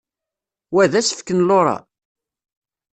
Wa d asefk n Laura?